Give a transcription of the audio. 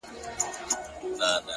لوړ هدفونه روښانه پلان غواړي.